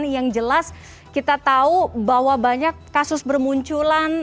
yang jelas kita tahu bahwa banyak kasus bermunculan